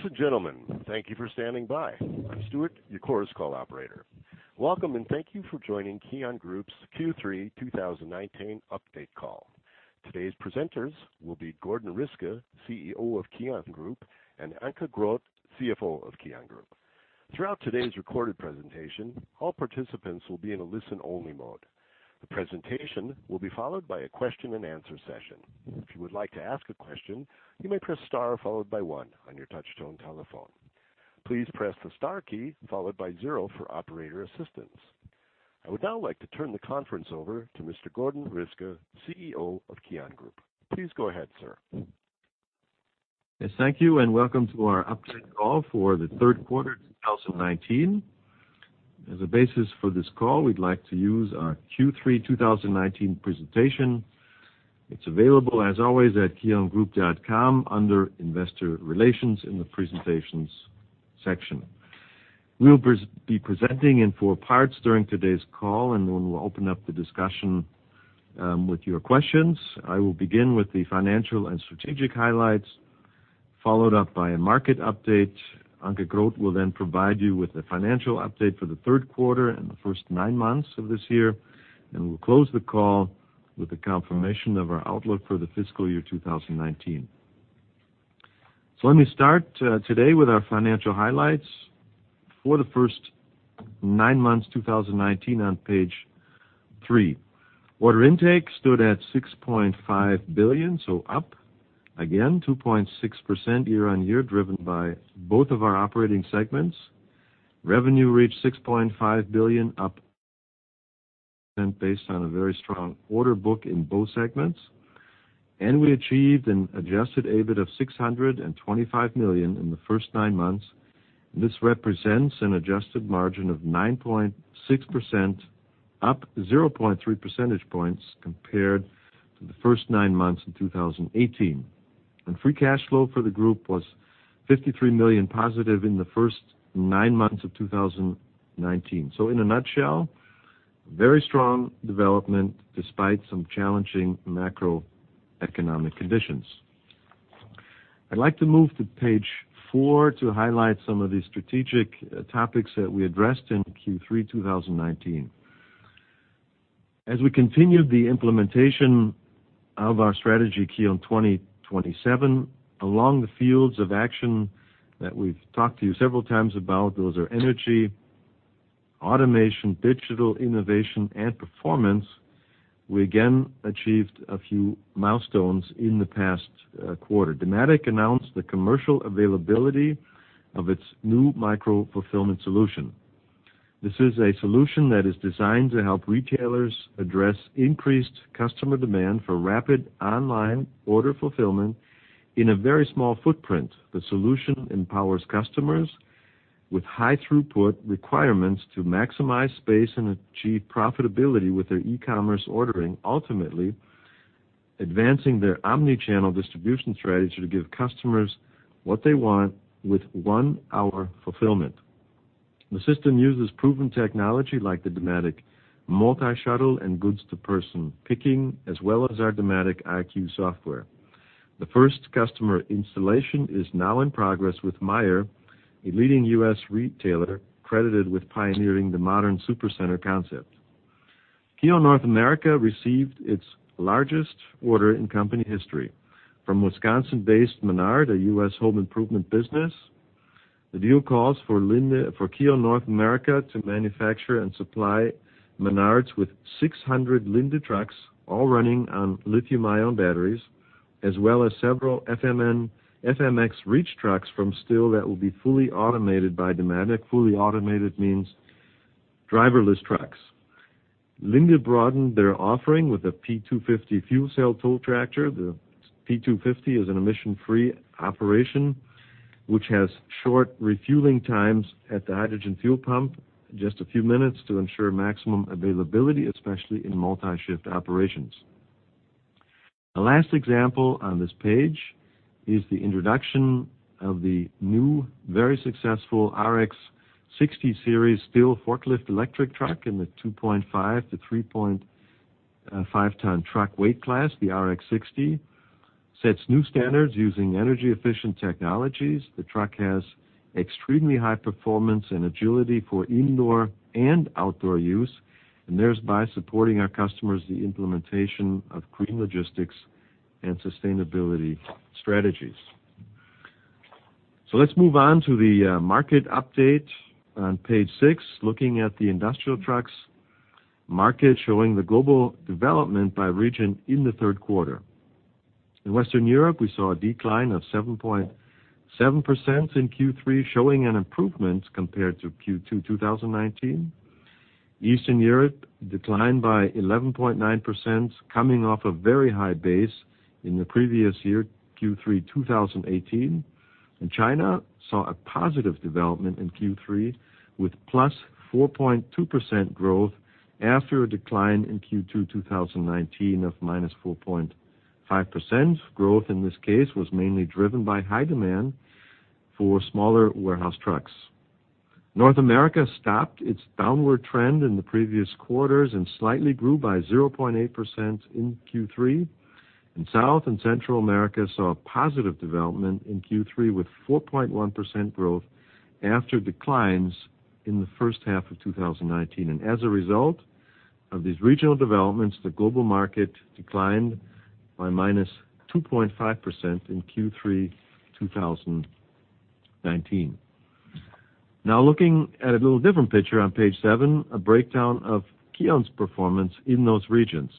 Ladies and gentlemen, thank you for standing by. I'm Stuart, your Chorus Call operator. Welcome and thank you for joining KION Group's Q3 2019 update call. Today's presenters will be Gordon Riske, CEO of KION Group, and Anke Groth, CFO of KION Group. Throughout today's recorded presentation, all participants will be in a listen-only mode. The presentation will be followed by a question-and-answer session. If you would like to ask a question, you may press star followed by one on your touch-tone telephone. Please press the star key followed by zero for operator assistance. I would now like to turn the conference over to Mr. Gordon Riske, CEO of KION Group. Please go ahead, sir. Thank you and welcome to our update call for the third quarter 2019. As a basis for this call, we'd like to use our Q3 2019 presentation. It's available, as always, at kiongroup.com under investor relations in the presentations section. We'll be presenting in four parts during today's call, and then we'll open up the discussion with your questions. I will begin with the financial and strategic highlights, followed up by a market update. Anke Groth will then provide you with the financial update for the third quarter and the first nine months of this year, and we'll close the call with the confirmation of our outlook for the fiscal year 2019. Let me start today with our financial highlights for the first nine months 2019 on page three. Order intake stood at 6.5 billion, so up again 2.6% year-on-year, driven by both of our operating segments. Revenue reached 6.5 billion, up based on a very strong order book in both segments. We achieved an Adjusted EBIT of 625 million in the first nine months. This represents an adjusted margin of 9.6%, up 0.3 percentage points compared to the first nine months in 2018. Free cash flow for the group was 53 million positive in the first nine months of 2019. In a nutshell, very strong development despite some challenging macroeconomic conditions. I'd like to move to page four to highlight some of the strategic topics that we addressed in Q3 2019. As we continue the implementation of our strategy KION 2027, along the fields of action that we've talked to you several times about, those are energy, automation, digital innovation, and performance, we again achieved a few milestones in the past quarter. Dematic announced the commercial availability of its new micro fulfillment solution. This is a solution that is designed to help retailers address increased customer demand for rapid online order fulfillment in a very small footprint. The solution empowers customers with high throughput requirements to maximize space and achieve profitability with their e-commerce ordering, ultimately advancing their omnichannel distribution strategy to give customers what they want with one-hour fulfillment. The system uses proven technology like the Dematic multi-shuttle and goods-to-person picking, as well as our Dematic iQ software. The first customer installation is now in progress with Meyer, a leading U.S. retailer credited with pioneering the modern supercenter concept. KION North America received its largest order in company history from Wisconsin-based Menards, a U.S. home improvement business. The deal calls for KION North America to manufacture and supply Menards with 600 Linde trucks, all running on lithium-ion batteries, as well as several FMX reach trucks from STILL that will be fully automated by Dematic. Fully automated means driverless trucks. Linde broadened their offering with a P250 fuel cell tow tractor. The P250 is an emission-free operation, which has short refueling times at the hydrogen fuel pump, just a few minutes to ensure maximum availability, especially in multi-shift operations. The last example on this page is the introduction of the new, very successful RX60 series STILL forklift electric truck in the 2.5-3.5 ton truck weight class. The RX60 sets new standards using energy-efficient technologies. The truck has extremely high performance and agility for indoor and outdoor use, and there's by supporting our customers the implementation of green logistics and sustainability strategies. Let's move on to the market update on page six, looking at the industrial trucks market, showing the global development by region in the third quarter. In Western Europe, we saw a decline of 7.7% in Q3, showing an improvement compared to Q2 2019. Eastern Europe declined by 11.9%, coming off a very high base in the previous year, Q3 2018. China saw a positive development in Q3 with +4.2% growth after a decline in Q2 2019 of -4.5%. Growth in this case was mainly driven by high demand for smaller warehouse trucks. North America stopped its downward trend in the previous quarters and slightly grew by 0.8% in Q3. South and Central America saw a positive development in Q3 with 4.1% growth after declines in the first half of 2019. As a result of these regional developments, the global market declined by -2.5% in Q3 2019. Now looking at a little different picture on page seven, a breakdown of KION's performance in those regions.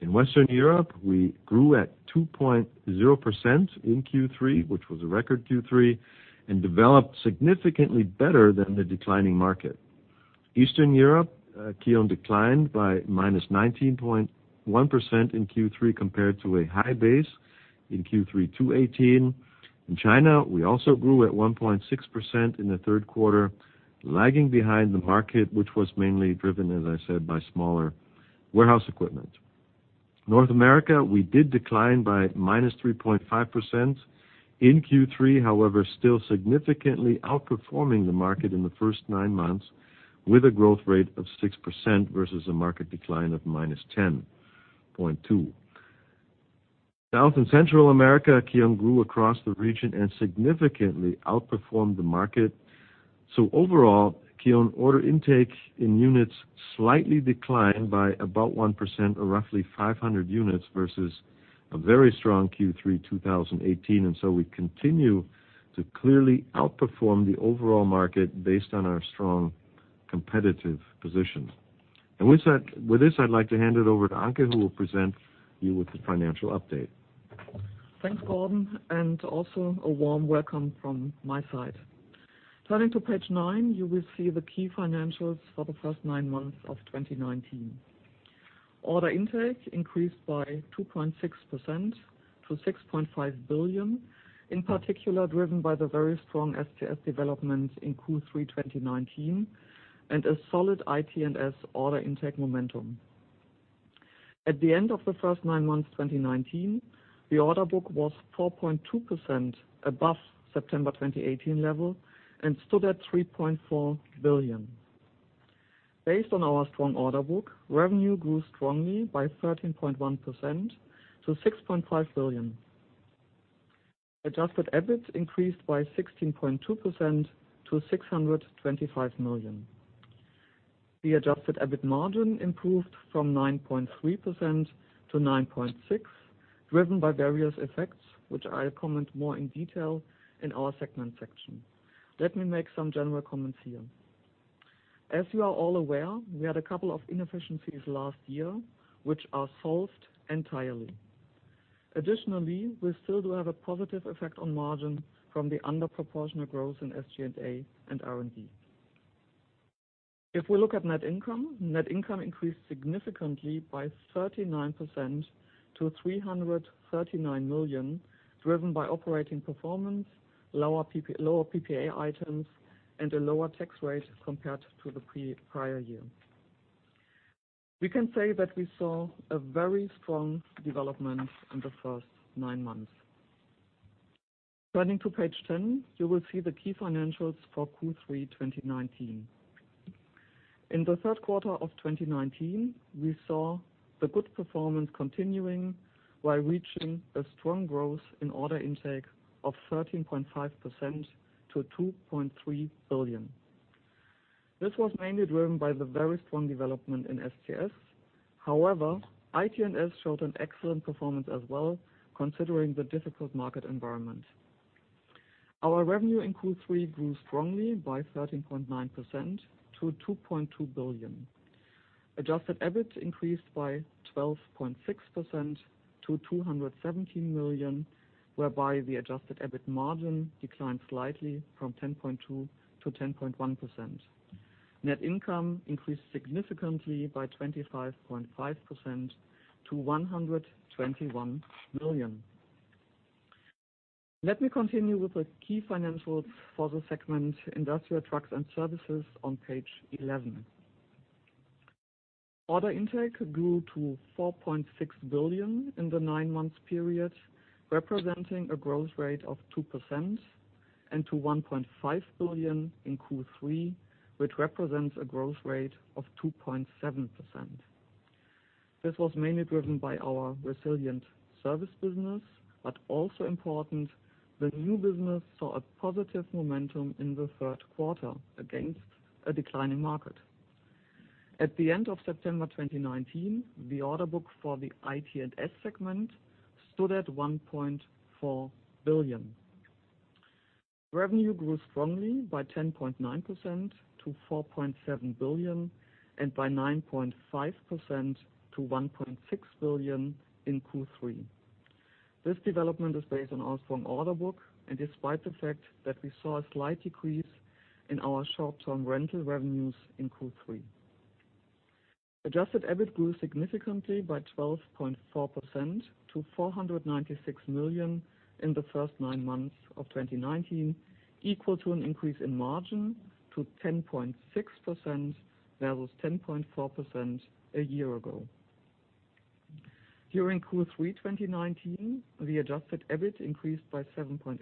In Western Europe, we grew at 2.0% in Q3, which was a record Q3, and developed significantly better than the declining market. Eastern Europe, KION declined by -19.1% in Q3 compared to a high base in Q3 2018. In China, we also grew at 1.6% in the third quarter, lagging behind the market, which was mainly driven, as I said, by smaller warehouse equipment. North America, we did decline by -3.5% in Q3, however, still significantly outperforming the market in the first nine months with a growth rate of 6% versus a market decline of -10.2%. South and Central America, KION grew across the region and significantly outperformed the market. Overall, KION order intake in units slightly declined by about 1%, or roughly 500 units versus a very strong Q3 2018. We continue to clearly outperform the overall market based on our strong competitive position. With this, I'd like to hand it over to Anke, who will present you with the financial update. Thanks, Gordon, and also a warm welcome from my side. Turning to page nine, you will see the key financials for the first nine months of 2019. Order intake increased by 2.6% to 6.5 billion, in particular driven by the very strong STS development in Q3 2019 and a solid IT and S order intake momentum. At the end of the first nine months 2019, the order book was 4.2% above September 2018 level and stood at 3.4 billion. Based on our strong order book, revenue grew strongly by 13.1% to 6.5 billion. Adjusted EBIT increased by 16.2% to 625 million. The adjusted EBIT margin improved from 9.3% to 9.6%, driven by various effects, which I'll comment more in detail in our segment section. Let me make some general comments here. As you are all aware, we had a couple of inefficiencies last year, which are solved entirely. Additionally, we still do have a positive effect on margin from the underproportional growth in SG&A and R&D. If we look at net income, net income increased significantly by 39% to 339 million, driven by operating performance, lower PPA items, and a lower tax rate compared to the prior year. We can say that we saw a very strong development in the first nine months. Turning to page ten, you will see the key financials for Q3 2019. In the third quarter of 2019, we saw the good performance continuing while reaching a strong growth in order intake of 13.5% to 2.3 billion. This was mainly driven by the very strong development in STS. However, IT and S showed an excellent performance as well, considering the difficult market environment. Our revenue in Q3 grew strongly by 13.9% to 2.2 billion. Adjusted EBIT increased by 12.6% to 217 million, whereby the Adjusted EBIT margin declined slightly from 10.2% to 10.1%. Net income increased significantly by 25.5% to 121 million. Let me continue with the key financials for the segment Industrial Trucks and Services on page 11. Order intake grew to 4.6 billion in the nine-month period, representing a growth rate of 2%, and to 1.5 billion in Q3, which represents a growth rate of 2.7%. This was mainly driven by our resilient service business, but also important, the new business saw a positive momentum in the third quarter against a declining market. At the end of September 2019, the order book for the ITS segment stood at 1.4 billion. Revenue grew strongly by 10.9% to 4.7 billion and by 9.5% to 1.6 billion in Q3. This development is based on our strong order book, and despite the fact that we saw a slight decrease in our short-term rental revenues in Q3. Adjusted EBIT grew significantly by 12.4% to 496 million in the first nine months of 2019, equal to an increase in margin to 10.6% versus 10.4% a year ago. During Q3 2019, the Adjusted EBIT increased by 7.8%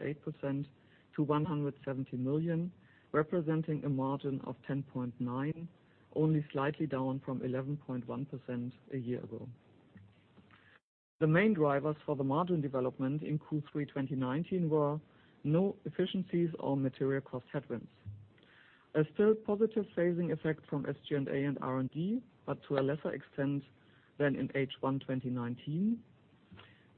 to 170 million, representing a margin of 10.9%, only slightly down from 11.1% a year ago. The main drivers for the margin development in Q3 2019 were no efficiencies or material cost headwinds. A still positive phasing effect from SG&A and R&D, but to a lesser extent than in H1 2019,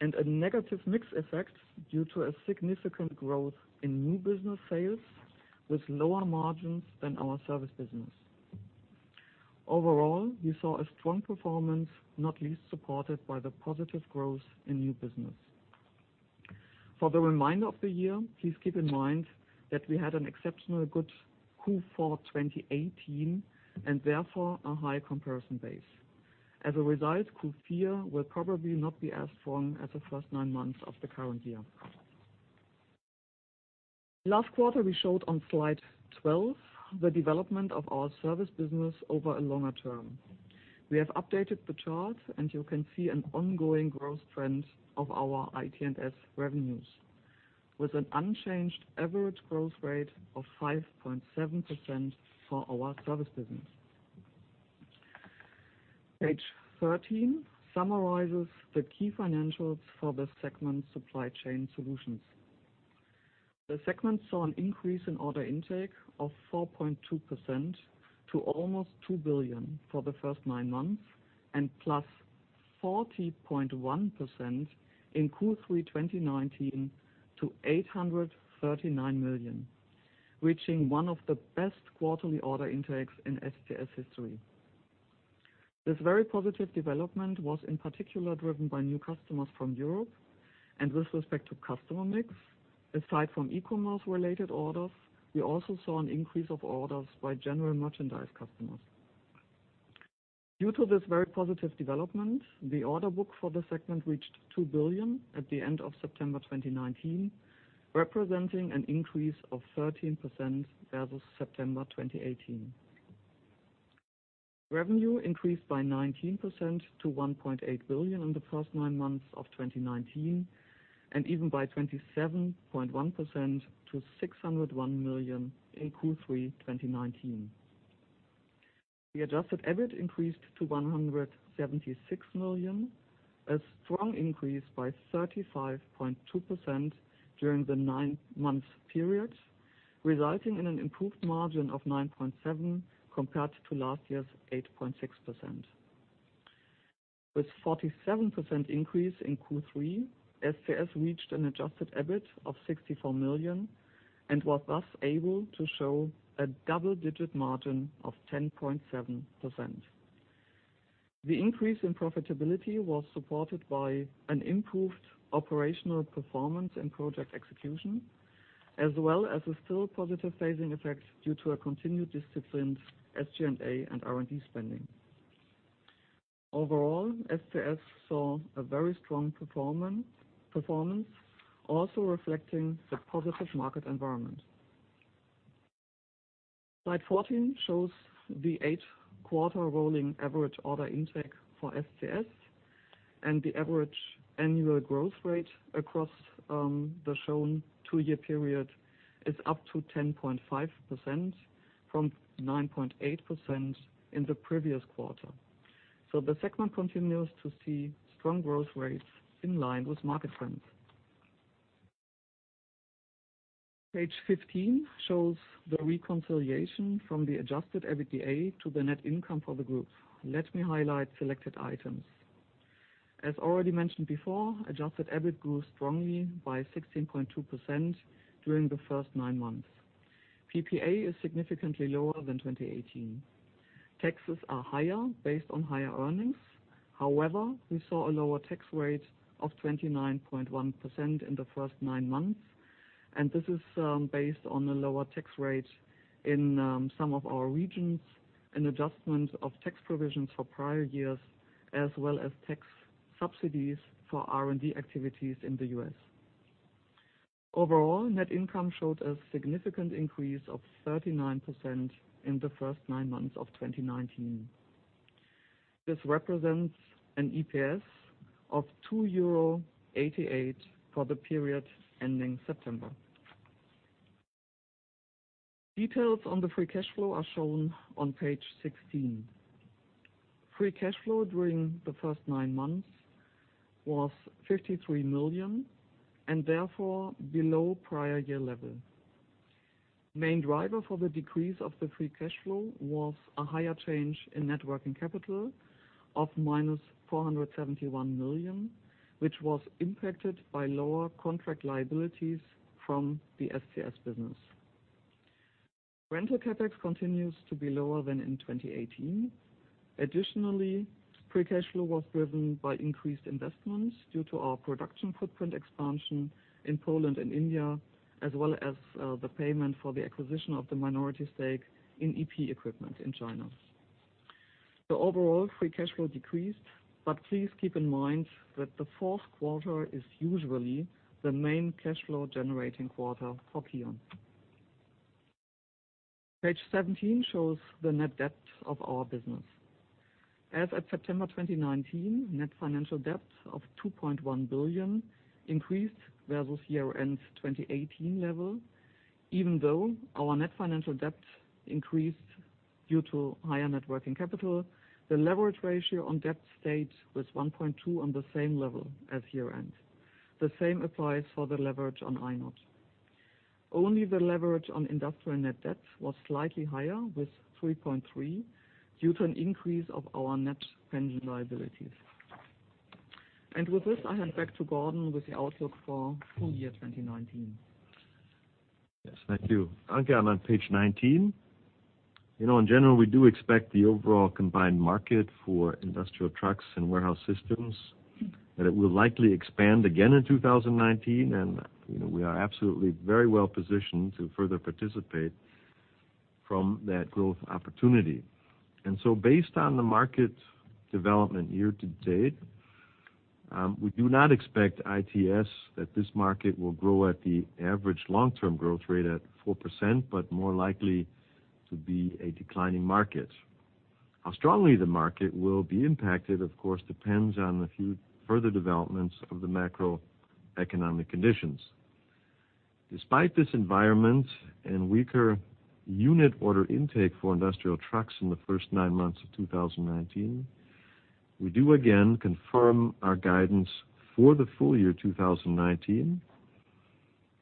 and a negative mix effect due to a significant growth in new business sales with lower margins than our service business. Overall, we saw a strong performance, not least supported by the positive growth in new business. For the remainder of the year, please keep in mind that we had an exceptionally good Q4 2018 and therefore a high comparison base. As a result, Q4 will probably not be as strong as the first nine months of the current year. Last quarter, we showed on slide 12 the development of our service business over a longer term. We have updated the chart, and you can see an ongoing growth trend of our IT and S revenues with an unchanged average growth rate of 5.7% for our service business. Page 13 summarizes the key financials for the segment supply chain solutions. The segment saw an increase in order intake of 4.2% to almost 2 billion for the first nine months and +40.1% in Q3 2019 to 839 million, reaching one of the best quarterly order intakes in STS history. This very positive development was in particular driven by new customers from Europe, and with respect to customer mix, aside from e-commerce-related orders, we also saw an increase of orders by general merchandise customers. Due to this very positive development, the order book for the segment reached 2 billion at the end of September 2019, representing an increase of 13% versus September 2018. Revenue increased by 19% to 1.8 billion in the first nine months of 2019, and even by 27.1% to 601 million in Q3 2019. The Adjusted EBIT increased to 176 million, a strong increase by 35.2% during the nine-month period, resulting in an improved margin of 9.7% compared to last year's 8.6%. With a 47% increase in Q3, STS reached an Adjusted EBIT of 64 million and was thus able to show a double-digit margin of 10.7%. The increase in profitability was supported by an improved operational performance and project execution, as well as a still positive phasing effect due to a continued disciplined SG&A and R&D spending. Overall, STS saw a very strong performance, also reflecting the positive market environment. Slide 14 shows the eight-quarter rolling average order intake for STS, and the average annual growth rate across the shown two-year period is up to 10.5% from 9.8% in the previous quarter. The segment continues to see strong growth rates in line with market trends. Page 15 shows the reconciliation from the Adjusted EBITDA to the net income for the group. Let me highlight selected items. As already mentioned before, Adjusted EBIT grew strongly by 16.2% during the first nine months. PPA is significantly lower than 2018. Taxes are higher based on higher earnings. However, we saw a lower tax rate of 29.1% in the first nine months, and this is based on a lower tax rate in some of our regions and adjustment of tax provisions for prior years, as well as tax subsidies for R&D activities in the U.S. Overall, net income showed a significant increase of 39% in the first nine months of 2019. This represents an EPS of 2.88 euro for the period ending September. Details on the free cash flow are shown on page 16. Free cash flow during the first nine months was 53 million and therefore below prior year level. The main driver for the decrease of the free cash flow was a higher change in net working capital of -471 million, which was impacted by lower contract liabilities from the STS business. Rental CapEx continues to be lower than in 2018. Additionally, free cash flow was driven by increased investments due to our production footprint expansion in Poland and India, as well as the payment for the acquisition of the minority stake in EP Equipment in China. The overall free cash flow decreased, but please keep in mind that the fourth quarter is usually the main cash flow-generating quarter for KION. Page 17 shows the net debt of our business. As at September 2019, net financial debt of 2.1 billion increased versus year-end 2018 level. Even though our net financial debt increased due to higher net working capital, the leverage ratio on debt stayed with 1.2 on the same level as year-end. The same applies for the leverage on INOT. Only the leverage on industrial net debt was slightly higher with 3.3 due to an increase of our net pension liabilities. With this, I hand back to Gordon with the outlook for full year 2019. Yes, thank you. Anke on page 19. In general, we do expect the overall combined market for industrial trucks and warehouse systems that it will likely expand again in 2019, and we are absolutely very well positioned to further participate from that growth opportunity. Based on the market development year to date, we do not expect ITS that this market will grow at the average long-term growth rate at 4%, but more likely to be a declining market. How strongly the market will be impacted, of course, depends on a few further developments of the macroeconomic conditions. Despite this environment and weaker unit order intake for industrial trucks in the first nine months of 2019, we do again confirm our guidance for the full year 2019.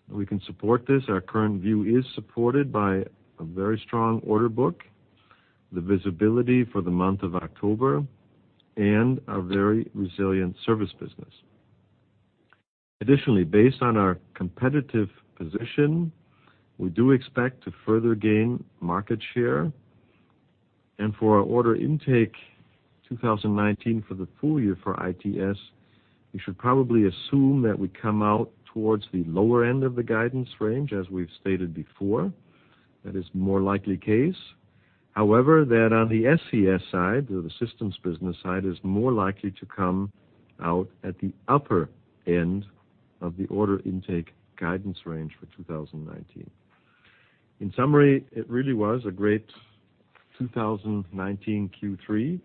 We can support this. Our current view is supported by a very strong order book, the visibility for the month of October, and our very resilient service business. Additionally, based on our competitive position, we do expect to further gain market share. For our order intake 2019 for the full year for ITS, we should probably assume that we come out towards the lower end of the guidance range, as we've stated before. That is more likely the case. However, that on the SES side, the systems business side, is more likely to come out at the upper end of the order intake guidance range for 2019. In summary, it really was a great 2019 Q3,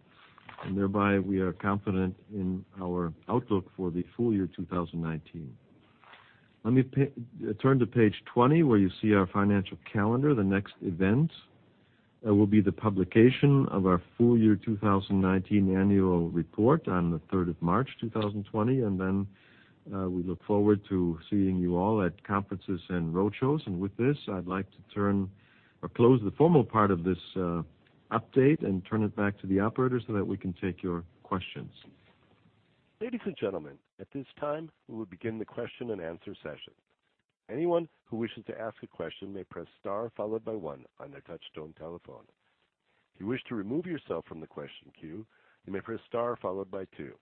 and thereby we are confident in our outlook for the full year 2019. Let me turn to page 20, where you see our financial calendar. The next event will be the publication of our full year 2019 annual report on the 3rd of March 2020, and we look forward to seeing you all at conferences and roadshows. With this, I'd like to close the formal part of this update and turn it back to the operators so that we can take your questions. Ladies and gentlemen, at this time, we will begin the questio- and-answer session. Anyone who wishes to ask a question may press star followed by one on their touch-tone telephone. If you wish to remove yourself from the question queue, you may press star followed by two.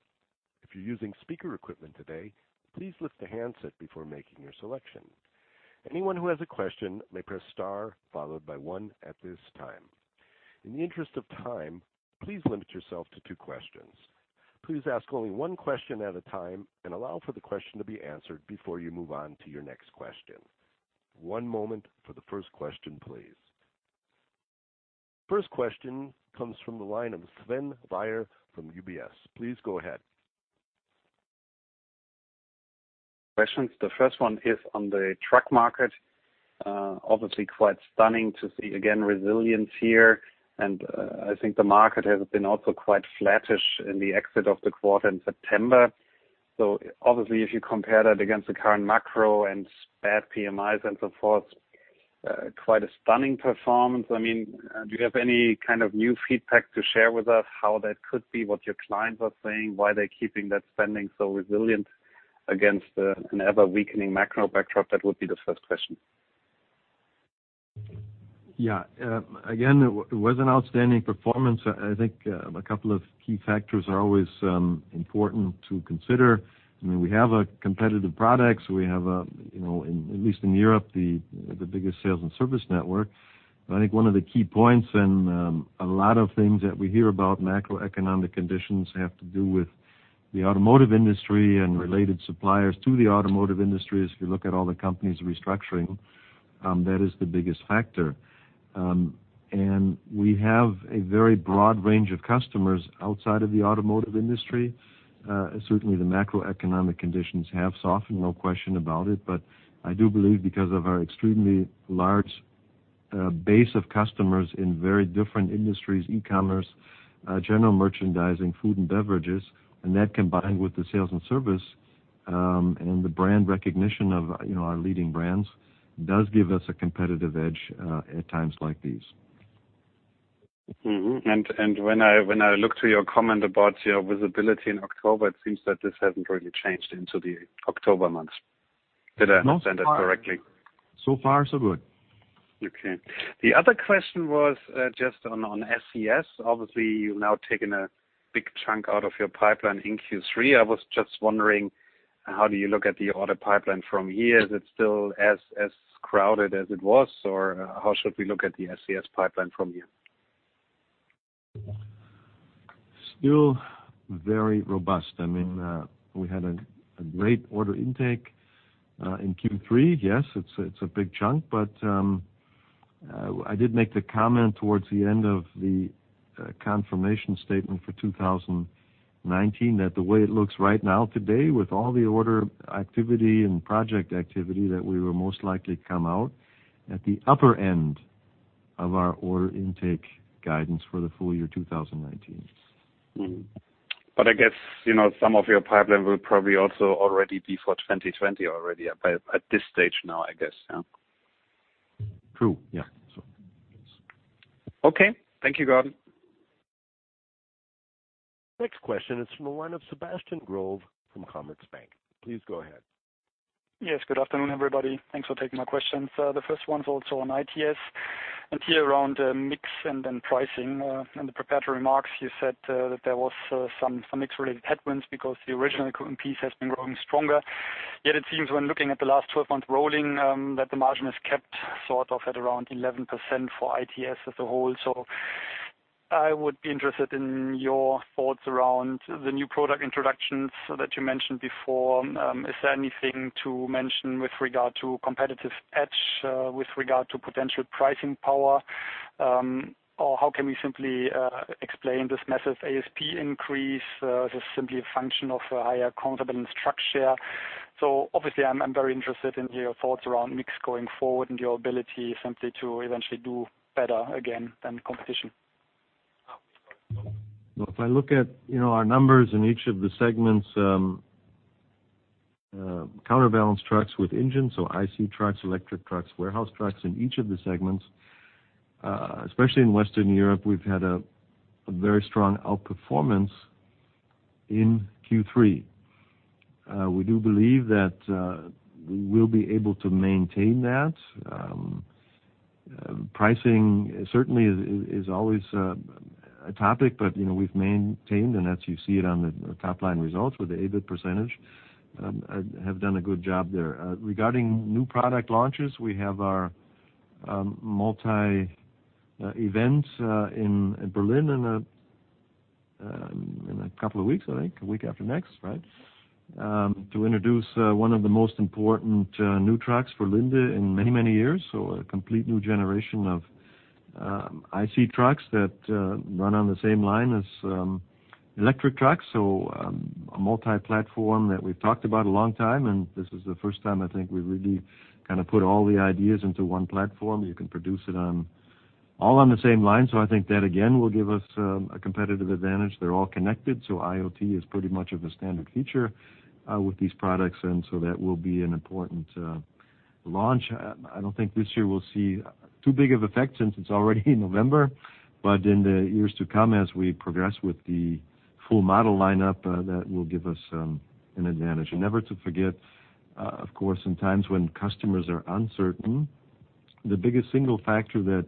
If you're using speaker equipment today, please lift the handset before making your selection. Anyone who has a question may press star followed by one at this time. In the interest of time, please limit yourself to two questions. Please ask only one question at a time and allow for the question to be answered before you move on to your next question. One moment for the first question, please. First question comes from the line of Sven Weir from UBS. Please go ahead. Questions. The first one is on the truck market. Obviously, quite stunning to see again resilience here, and I think the market has been also quite flattish in the exit of the quarter in September. If you compare that against the current macro and bad PMIs and so forth, quite a stunning performance. I mean, do you have any kind of new feedback to share with us, how that could be, what your clients are saying, why they're keeping that spending so resilient against an ever-weakening macro backdrop? That would be the first question. Yeah. Again, it was an outstanding performance. I think a couple of key factors are always important to consider. I mean, we have a competitive product. We have, at least in Europe, the biggest sales and service network. I think one of the key points and a lot of things that we hear about macroeconomic conditions have to do with the automotive industry and related suppliers to the automotive industry. If you look at all the companies restructuring, that is the biggest factor. We have a very broad range of customers outside of the automotive industry. Certainly, the macroeconomic conditions have softened, no question about it. I do believe because of our extremely large base of customers in very different industries, e-commerce, general merchandising, food and beverages, and that combined with the sales and service and the brand recognition of our leading brands does give us a competitive edge at times like these. When I look to your comment about your visibility in October, it seems that this has not really changed into the October months. Did I understand that correctly? So far, so good. Okay. The other question was just on SES. Obviously, you've now taken a big chunk out of your pipeline in Q3. I was just wondering, how do you look at the order pipeline from here? Is it still as crowded as it was, or how should we look at the SES pipeline from here? Still very robust. I mean, we had a great order intake in Q3. Yes, it's a big chunk, but I did make the comment towards the end of the confirmation statement for 2019 that the way it looks right now today, with all the order activity and project activity, that we will most likely come out at the upper end of our order intake guidance for the full year 2019. I guess some of your pipeline will probably also already be for 2020 already at this stage now, I guess. True. Yeah. Okay. Thank you, Gordon. Next question. It is from the line of Sebastian Schuldt from Commerzbank. Please go ahead. Yes. Good afternoon, everybody. Thanks for taking my questions. The first one is also on ITS. And here around mix and then pricing and the preparatory marks, you said that there was some mix related headwinds because the original piece has been growing stronger. Yet it seems when looking at the last 12 months rolling that the margin has kept sort of at around 11% for ITS as a whole. I would be interested in your thoughts around the new product introductions that you mentioned before. Is there anything to mention with regard to competitive edge with regard to potential pricing power, or how can we simply explain this massive ASP increase? Is this simply a function of a higher counterbalance truck share? Obviously, I'm very interested in your thoughts around mix going forward and your ability simply to eventually do better again than competition. If I look at our numbers in each of the segments, counterbalance trucks with engines, so IC trucks, electric trucks, warehouse trucks in each of the segments, especially in Western Europe, we've had a very strong outperformance in Q3. We do believe that we will be able to maintain that. Pricing certainly is always a topic, but we've maintained, and as you see it on the top line results with the EBIT percentage, have done a good job there. Regarding new product launches, we have our multi-events in Berlin in a couple of weeks, I think, a week after next, right, to introduce one of the most important new trucks for Linde in many, many years. A complete new generation of IC trucks that run on the same line as electric trucks. A multi-platform that we've talked about a long time, and this is the first time I think we've really kind of put all the ideas into one platform. You can produce it all on the same line. I think that again will give us a competitive advantage. They're all connected, so IoT is pretty much a standard feature with these products, and that will be an important launch. I don't think this year we'll see too big of an effect since it's already November, but in the years to come as we progress with the full model lineup, that will give us an advantage. Never to forget, of course, in times when customers are uncertain, the biggest single factor that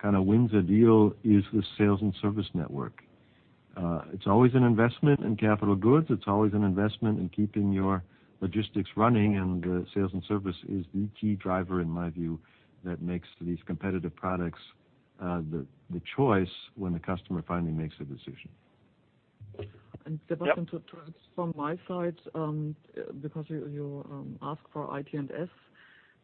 kind of wins a deal is the sales and service network. It's always an investment in capital goods. It's always an investment in keeping your logistics running, and the sales and service is the key driver, in my view, that makes these competitive products the choice when the customer finally makes a decision. Sebastian, to address from my side, because you asked for IT&S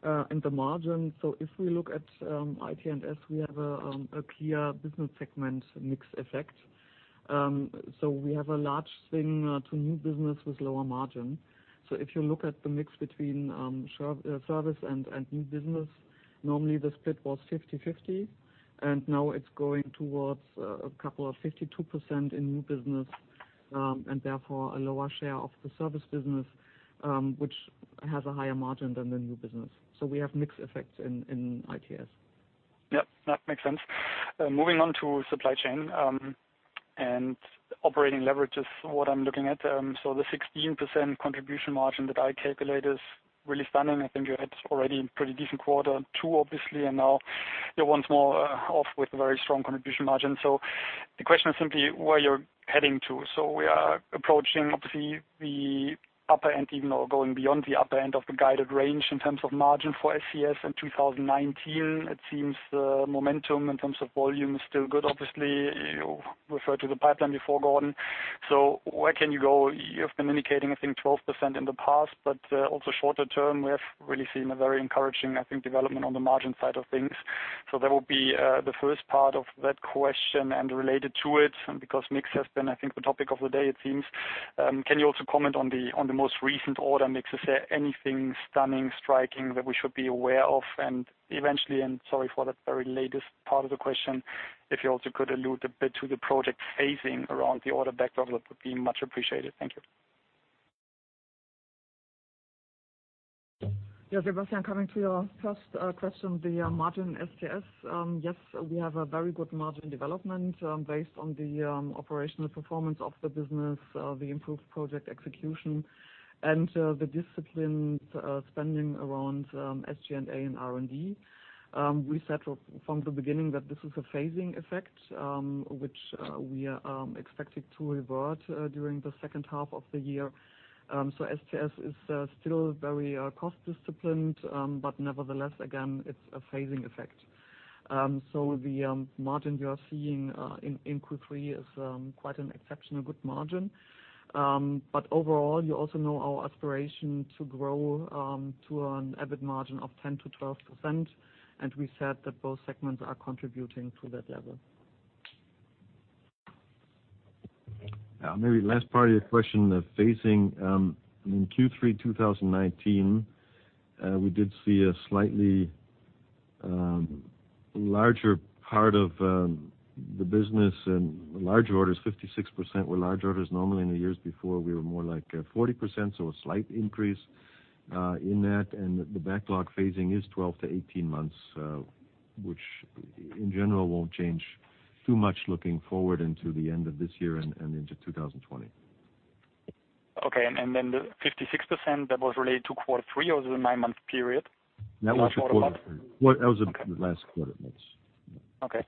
and the margin, if we look at IT&S, we have a clear business segment mix effect. We have a large swing to new business with lower margin. If you look at the mix between service and new business, normally the split was 50-50, and now it is going towards a couple of 52% in new business and therefore a lower share of the service business, which has a higher margin than the new business. We have mixed effects in IT&S. Yep. That makes sense. Moving on to supply chain and operating leverage is what I'm looking at. The 16% contribution margin that I calculated is really stunning. I think you had already a pretty decent quarter two, obviously, and now you're once more off with a very strong contribution margin. The question is simply where you're heading to. We are approaching, obviously, the upper end, even though we're going beyond the upper end of the guided range in terms of margin for SES in 2019. It seems the momentum in terms of volume is still good, obviously. You referred to the pipeline before, Gordon. Where can you go? You've been indicating, I think, 12% in the past, but also shorter term, we have really seen a very encouraging, I think, development on the margin side of things. That will be the first part of that question and related to it, because mix has been, I think, the topic of the day, it seems. Can you also comment on the most recent order mix? Is there anything stunning, striking that we should be aware of? Eventually, and sorry for that very latest part of the question, if you also could allude a bit to the project phasing around the order backdrop, that would be much appreciated. Thank you. Yes. Sebastian, coming to your first question, the margin STS. Yes, we have a very good margin development based on the operational performance of the business, the improved project execution, and the disciplined spending around SG&A and R&D. We said from the beginning that this is a phasing effect, which we are expecting to revert during the second half of the year. STS is still very cost disciplined, but nevertheless, again, it's a phasing effect. The margin you are seeing in Q3 is quite an exceptionally good margin. Overall, you also know our aspiration to grow to an EBIT margin of 10%-12%, and we said that both segments are contributing to that level. Maybe last part of your question, the phasing. In Q3 2019, we did see a slightly larger part of the business in large orders, 56% were large orders. Normally, in the years before, we were more like 40%, so a slight increase in that. The backlog phasing is 12-18 months, which in general will not change too much looking forward into the end of this year and into 2020. Okay. The 56%, that was related to quarter three or the nine-month period? That was your quarter three. That was the last quarter, yes. Okay.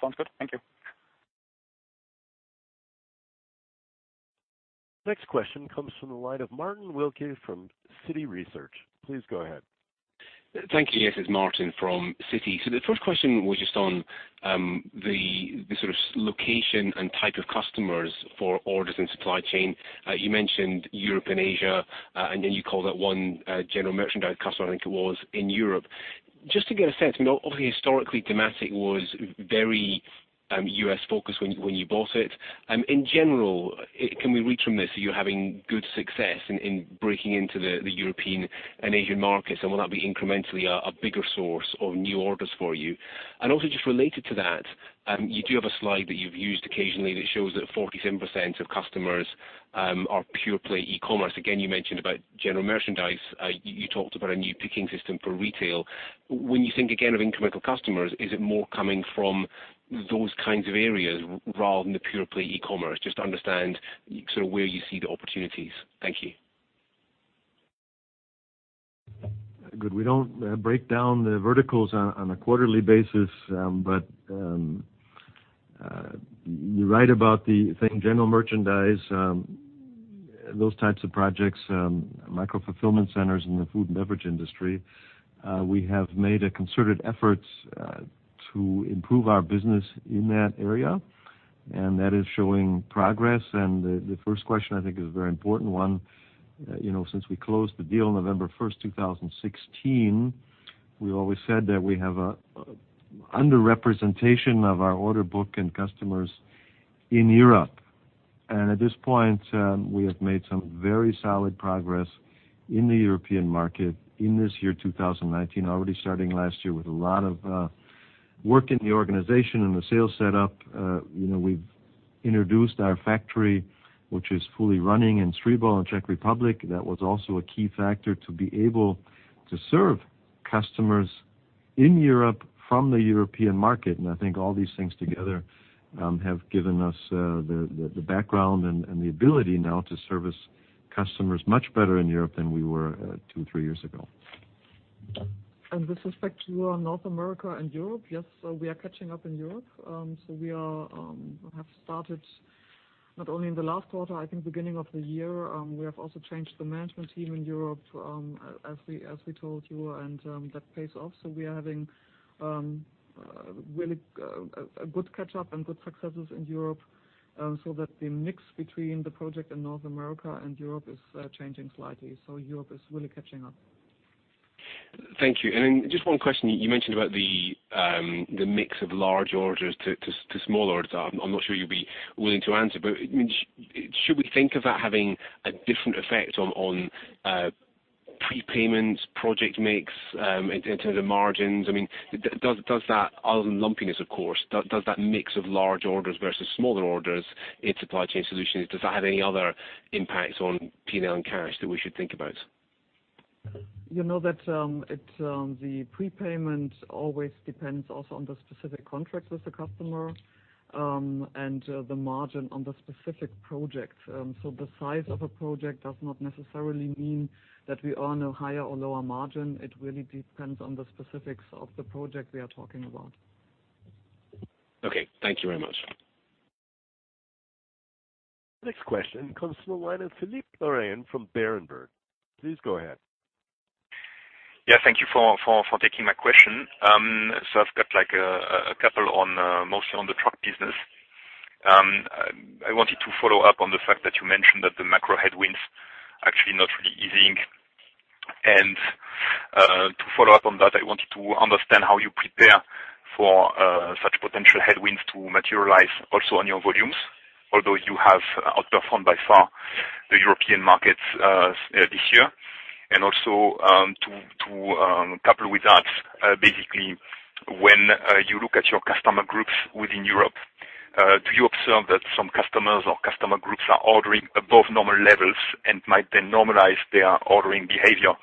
Sounds good. Thank you. Next question comes from the line of Martin Wilkie from Citi Research. Please go ahead. Thank you. Yes. It's Martin from Citi. The first question was just on the sort of location and type of customers for orders and supply chain. You mentioned Europe and Asia, and then you called out one general merchandise customer, I think it was, in Europe. Just to get a sense, I mean, obviously, historically, Dematic was very U.S.-focused when you bought it. In general, can we read from this that you're having good success in breaking into the European and Asian markets, and will that be incrementally a bigger source of new orders for you? Also, just related to that, you do have a slide that you've used occasionally that shows that 47% of customers are pure play e-commerce. Again, you mentioned about general merchandise. You talked about a new picking system for retail. When you think again of incremental customers, is it more coming from those kinds of areas rather than the pure play e-commerce? Just to understand sort of where you see the opportunities. Thank you. Good. We do not break down the verticals on a quarterly basis, but you are right about the thing general merchandise, those types of projects, micro fulfillment centers in the food and beverage industry. We have made a concerted effort to improve our business in that area, and that is showing progress. The first question, I think, is a very important one. Since we closed the deal November 1st, 2016, we have always said that we have an underrepresentation of our order book and customers in Europe. At this point, we have made some very solid progress in the European market in this year 2019, already starting last year with a lot of work in the organization and the sales setup. We have introduced our factory, which is fully running in Stříbro in Czech Republic. That was also a key factor to be able to serve customers in Europe from the European market. I think all these things together have given us the background and the ability now to service customers much better in Europe than we were two or three years ago. With respect to North America and Europe, yes, we are catching up in Europe. We have started not only in the last quarter, I think beginning of the year. We have also changed the management team in Europe, as we told you, and that pays off. We are having really a good catch-up and good successes in Europe so that the mix between the project in North America and Europe is changing slightly. Europe is really catching up. Thank you. Just one question. You mentioned about the mix of large orders to small orders that I'm not sure you'll be willing to answer, but should we think of that having a different effect on prepayments, project mix in terms of margins? I mean, does that, other than lumpiness, of course, does that mix of large orders versus smaller orders in supply chain solutions, does that have any other impacts on P&L and cash that we should think about? You know that the prepayment always depends also on the specific contract with the customer and the margin on the specific project. The size of a project does not necessarily mean that we earn a higher or lower margin. It really depends on the specifics of the project we are talking about. Okay. Thank you very much. Next question comes from the line of Philippe Lorrain from Berenberg. Please go ahead. Yes. Thank you for taking my question. I've got a couple mostly on the truck business. I wanted to follow up on the fact that you mentioned that the macro headwinds are actually not really easing. To follow up on that, I wanted to understand how you prepare for such potential headwinds to materialize also on your volumes, although you have outperformed by far the European markets this year. Also to couple with that, basically, when you look at your customer groups within Europe, do you observe that some customers or customer groups are ordering above normal levels and might then normalize their ordering behavior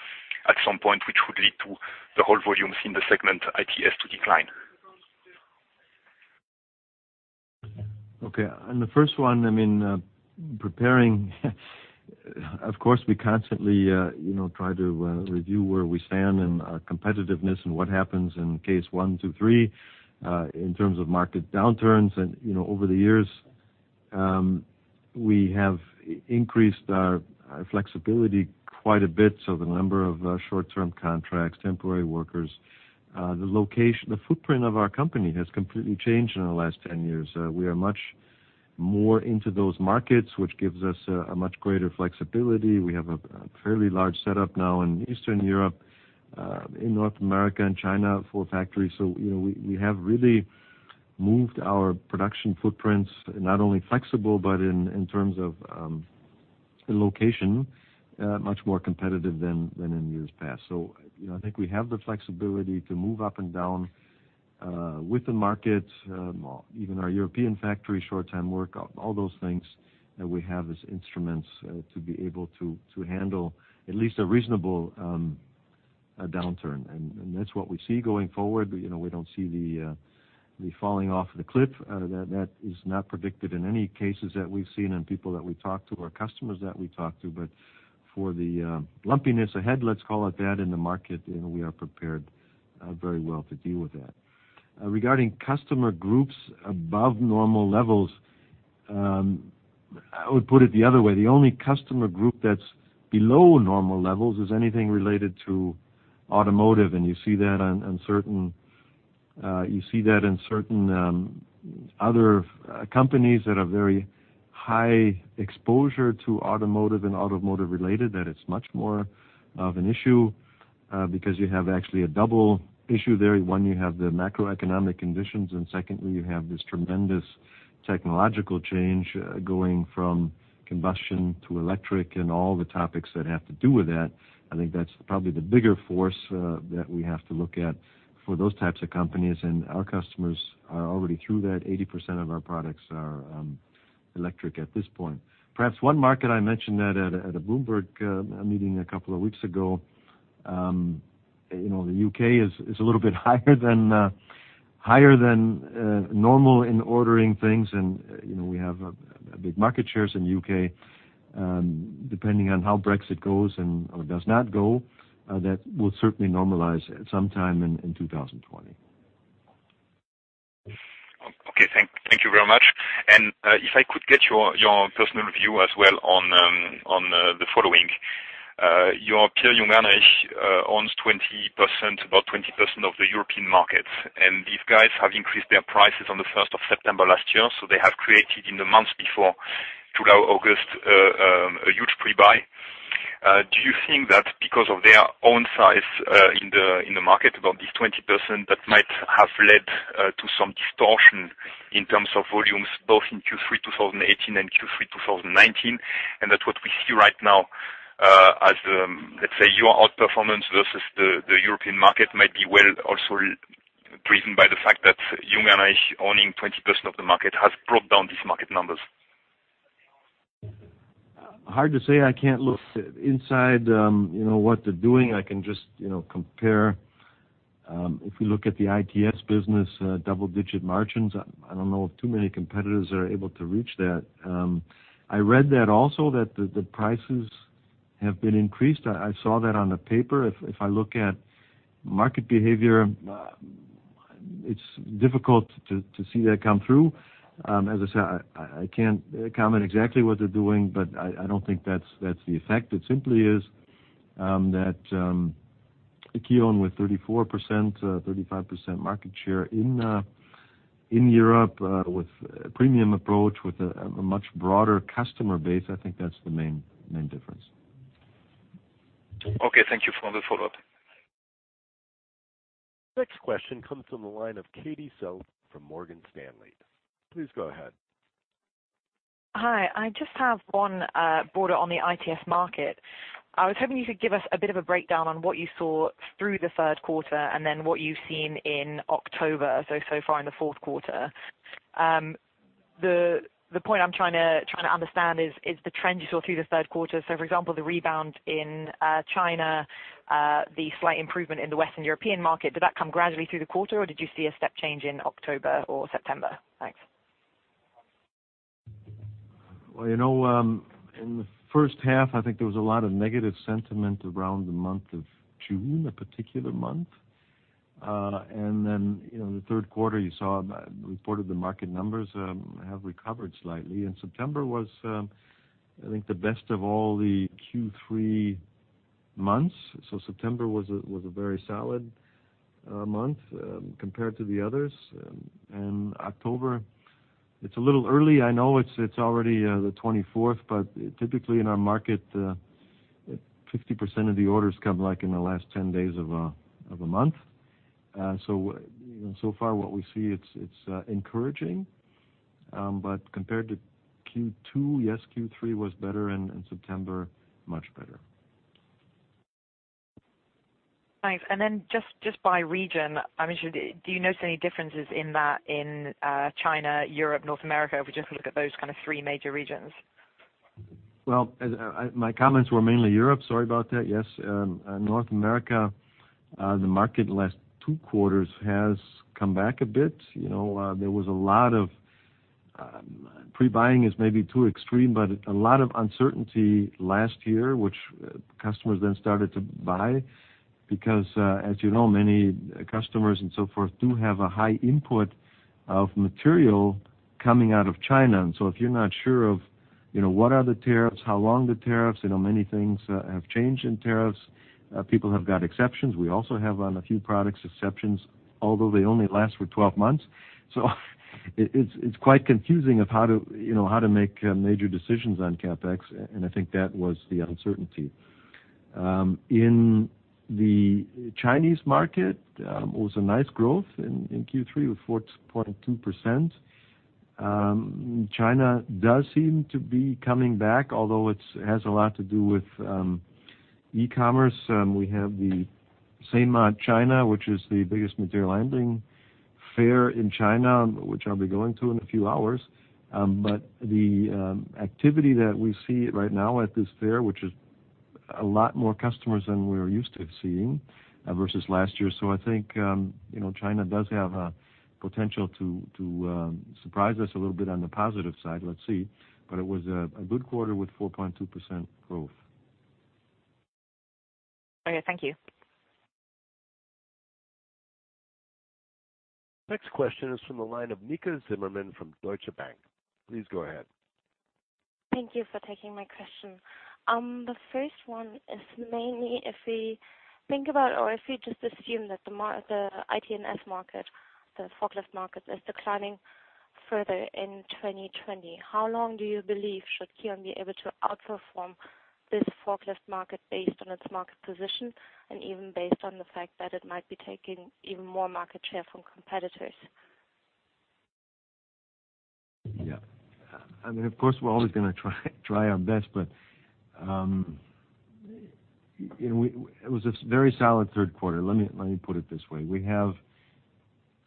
at some point, which would lead to the whole volumes in the segment ITS to decline? Okay. On the first one, I mean, preparing, of course, we constantly try to review where we stand and our competitiveness and what happens in case one, two, three in terms of market downturns. Over the years, we have increased our flexibility quite a bit. The number of short-term contracts, temporary workers, the footprint of our company has completely changed in the last 10 years. We are much more into those markets, which gives us a much greater flexibility. We have a fairly large setup now in Eastern Europe, in North America and China for factories. We have really moved our production footprints, not only flexible, but in terms of location, much more competitive than in years past. I think we have the flexibility to move up and down with the market, even our European factory, short-term work, all those things. We have these instruments to be able to handle at least a reasonable downturn. That is what we see going forward. We do not see the falling off of the cliff. That is not predicted in any cases that we have seen and people that we talk to, our customers that we talk to. For the lumpiness ahead, let's call it that in the market, we are prepared very well to deal with that. Regarding customer groups above normal levels, I would put it the other way. The only customer group that is below normal levels is anything related to automotive. You see that in certain other companies that have very high exposure to automotive and automotive-related, that it is much more of an issue because you have actually a double issue there. One, you have the macroeconomic conditions, and secondly, you have this tremendous technological change going from combustion to electric and all the topics that have to do with that. I think that's probably the bigger force that we have to look at for those types of companies. Our customers are already through that. 80% of our products are electric at this point. Perhaps one market I mentioned at a Bloomberg meeting a couple of weeks ago, the U.K. is a little bit higher than normal in ordering things. We have big market shares in the U.K. Depending on how Brexit goes or does not go, that will certainly normalize sometime in 2020. Okay. Thank you very much. If I could get your personal view as well on the following. Your peer, Jungheinrich, owns about 20% of the European markets. These guys have increased their prices on the 1st of September last year. They have created, in the months before July, August, a huge pre-buy. Do you think that because of their own size in the market, about these 20%, that might have led to some distortion in terms of volumes, both in Q3 2018 and Q3 2019? That is what we see right now as, let's say, your outperformance versus the European market might be well also driven by the fact that Jungheinrich, owning 20% of the market, has brought down these market numbers? Hard to say. I can't look inside what they're doing. I can just compare. If we look at the ITS business, double-digit margins, I don't know if too many competitors are able to reach that. I read that also that the prices have been increased. I saw that on the paper. If I look at market behavior, it's difficult to see that come through. As I said, I can't comment exactly what they're doing, but I don't think that's the effect. It simply is that KION, with 34%-35% market share in Europe, with a premium approach, with a much broader customer base, I think that's the main difference. Okay. Thank you for the follow-up. Next question comes from the line of Katie Self from Morgan Stanley. Please go ahead. Hi. I just have one border on the ITS market. I was hoping you could give us a bit of a breakdown on what you saw through the third quarter and then what you've seen in October, so far in the fourth quarter. The point I'm trying to understand is the trend you saw through the third quarter. For example, the rebound in China, the slight improvement in the Western European market, did that come gradually through the quarter, or did you see a step change in October or September? Thanks. In the first half, I think there was a lot of negative sentiment around the month of June, a particular month. In the third quarter, you saw reported the market numbers have recovered slightly. September was, I think, the best of all the Q3 months. September was a very solid month compared to the others. October, it's a little early. I know it's already the 24th, but typically in our market, 50% of the orders come in the last 10 days of a month. So far, what we see, it's encouraging. Compared to Q2, yes, Q3 was better, and September, much better. Thanks. Just by region, do you notice any differences in that in China, Europe, North America, if we just look at those kind of three major regions? My comments were mainly Europe. Sorry about that. Yes. North America, the market last two quarters has come back a bit. There was a lot of pre-buying is maybe too extreme, but a lot of uncertainty last year, which customers then started to buy because, as you know, many customers and so forth do have a high input of material coming out of China. If you're not sure of what are the tariffs, how long the tariffs, many things have changed in tariffs. People have got exceptions. We also have on a few products exceptions, although they only last for 12 months. It is quite confusing of how to make major decisions on CapEx. I think that was the uncertainty. In the Chinese market, it was a nice growth in Q3 with 4.2%. China does seem to be coming back, although it has a lot to do with e-commerce. We have the SEMA China, which is the biggest material handling fair in China, which I'll be going to in a few hours. The activity that we see right now at this fair, which is a lot more customers than we're used to seeing versus last year. I think China does have potential to surprise us a little bit on the positive side. Let's see. It was a good quarter with 4.2% growth. Okay. Thank you. Next question is from the line of Nika Zimmerman from Deutsche Bank. Please go ahead. Thank you for taking my question. The first one is mainly if we think about or if we just assume that the IT and S market, the forklift market, is declining further in 2020, how long do you believe should KION be able to outperform this forklift market based on its market position and even based on the fact that it might be taking even more market share from competitors? Yeah. I mean, of course, we're always going to try our best, but it was a very solid third quarter. Let me put it this way. We have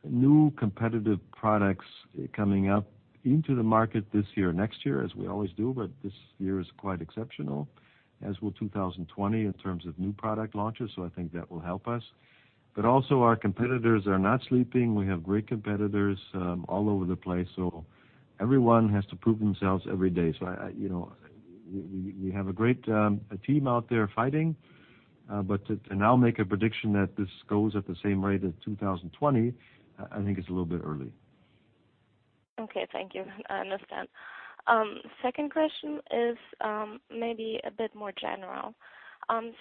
new competitive products coming up into the market this year and next year, as we always do, but this year is quite exceptional, as will 2020 in terms of new product launches. I think that will help us. Also, our competitors are not sleeping. We have great competitors all over the place. Everyone has to prove themselves every day. We have a great team out there fighting. To now make a prediction that this goes at the same rate as 2020, I think it's a little bit early. Okay. Thank you. I understand. Second question is maybe a bit more general.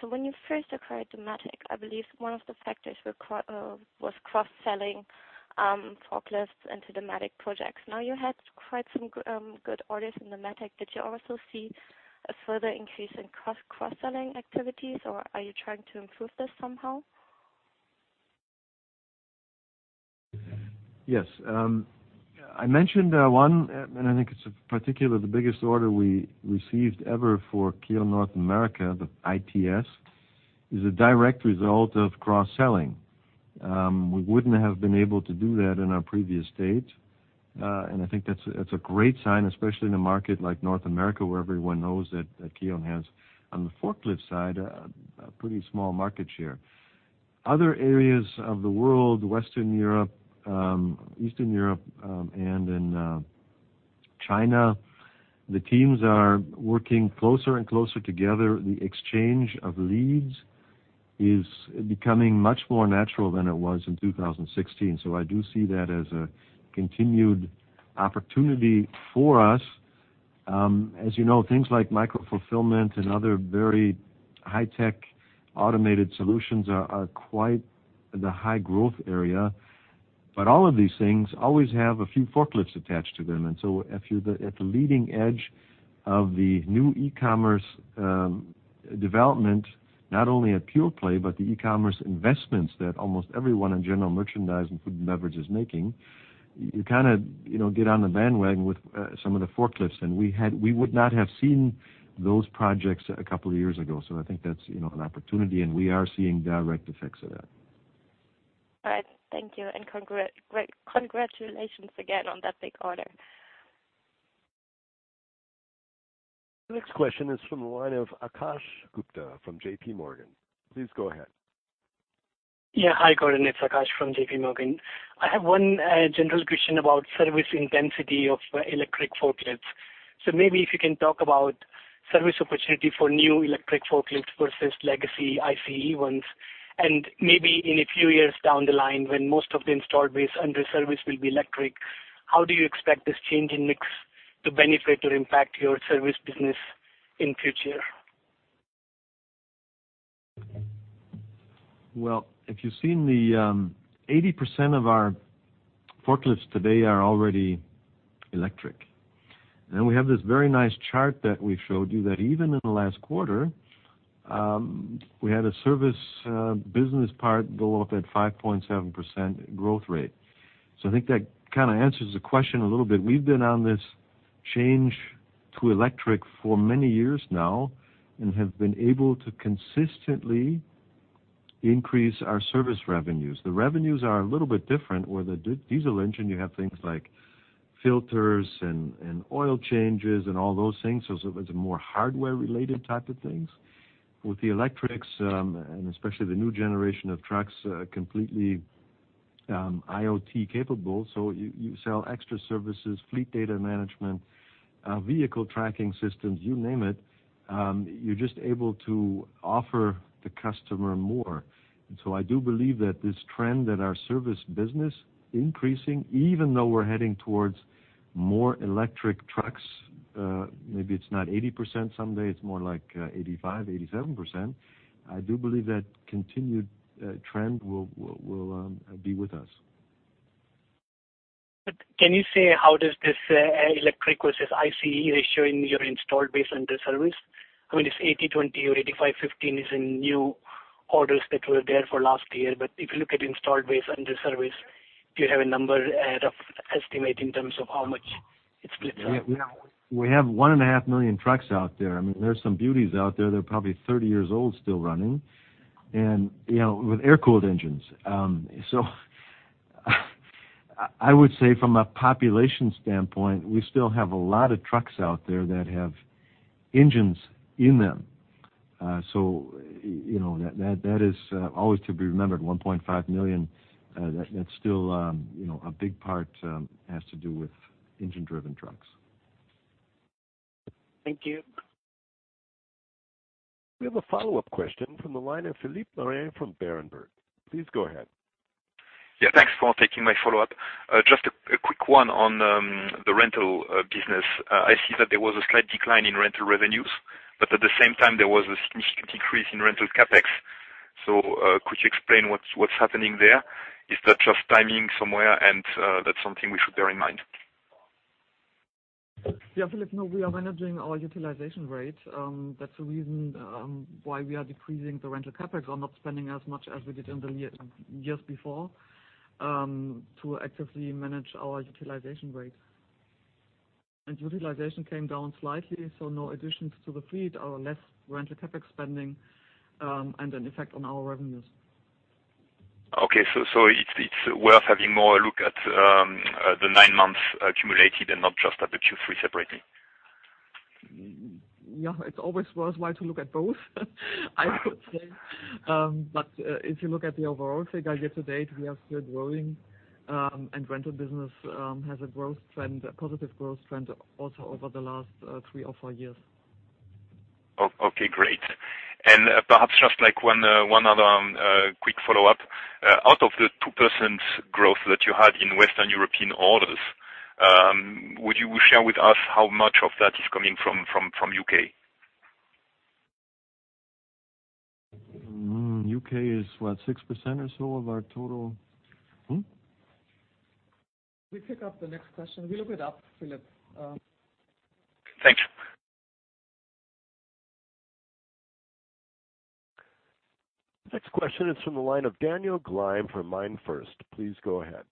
When you first acquired Dematic, I believe one of the factors was cross-selling forklifts into Dematic projects. Now you had quite some good orders in Dematic. Did you also see a further increase in cross-selling activities, or are you trying to improve this somehow? Yes. I mentioned one, and I think it's particularly the biggest order we received ever for KION North America, the ITS, is a direct result of cross-selling. We wouldn't have been able to do that in our previous state. I think that's a great sign, especially in a market like North America, where everyone knows that KION has, on the forklift side, a pretty small market share. Other areas of the world, Western Europe, Eastern Europe, and in China, the teams are working closer and closer together. The exchange of leads is becoming much more natural than it was in 2016. I do see that as a continued opportunity for us. As you know, things like micro fulfillment and other very high-tech automated solutions are quite the high growth area. All of these things always have a few forklifts attached to them. If you're at the leading edge of the new e-commerce development, not only at PurePlay, but the e-commerce investments that almost everyone in general merchandise and food and beverage is making, you kind of get on the bandwagon with some of the forklifts. We would not have seen those projects a couple of years ago. I think that's an opportunity, and we are seeing direct effects of that. All right. Thank you. Congratulations again on that big order. Next question is from the line of Akash Gupta from JPMorgan. Please go ahead. Yeah. Hi, Gordon. It's Akash from JPMorgan. I have one general question about service intensity of electric forklifts. Maybe if you can talk about service opportunity for new electric forklifts versus legacy ICE ones. Maybe in a few years down the line, when most of the installed base under service will be electric, how do you expect this change in mix to benefit or impact your service business in the future? If you've seen, 80% of our forklifts today are already electric. We have this very nice chart that we showed you that even in the last quarter, we had a service business part go up at 5.7% growth rate. I think that kind of answers the question a little bit. We've been on this change to electric for many years now and have been able to consistently increase our service revenues. The revenues are a little bit different where the diesel engine, you have things like filters and oil changes and all those things. It is a more hardware-related type of things. With the electrics, and especially the new generation of trucks, completely IoT capable. You sell extra services, fleet data management, vehicle tracking systems, you name it. You're just able to offer the customer more. I do believe that this trend that our service business is increasing, even though we're heading towards more electric trucks, maybe it's not 80% someday, it's more like 85%, 87%. I do believe that continued trend will be with us. Can you say how does this electric versus ICE ratio in your installed base under service? I mean, it's 80%-20% or 85%-15% is in new orders that were there for last year. If you look at installed base under service, do you have a number rough estimate in terms of how much it splits up? We have one and a half million trucks out there. I mean, there are some beauties out there. They're probably 30 years old still running and with air-cooled engines. I would say from a population standpoint, we still have a lot of trucks out there that have engines in them. That is always to be remembered, 1.5 million. That is still a big part, has to do with engine-driven trucks. Thank you. We have a follow-up question from the line of Philippe Lorrain from Berenberg. Please go ahead. Yeah. Thanks for taking my follow-up. Just a quick one on the rental business. I see that there was a slight decline in rental revenues, but at the same time, there was a significant increase in rental CapEx. Could you explain what's happening there? Is that just timing somewhere, and that's something we should bear in mind? Yeah. Philippe, no, we are managing our utilization rate. That is the reason why we are decreasing the rental CapEx. We are not spending as much as we did in the years before to actively manage our utilization rate. Utilization came down slightly, so no additions to the fleet or less rental CapEx spending and an effect on our revenues. Okay. So it's worth having more look at the nine months accumulated and not just at the Q3 separately? Yeah. It's always worthwhile to look at both, I would say. If you look at the overall figure year to date, we are still growing, and rental business has a growth trend, a positive growth trend also over the last three or four years. Okay. Great. Perhaps just one other quick follow-up. Out of the 2% growth that you had in Western European orders, would you share with us how much of that is coming from the U.K.? U.K. is, what, 6% or so of our total? We pick up the next question. We look it up, Philippe. Thanks. Next question is from the line of Daniel Gleim from MainFirst. Please go ahead.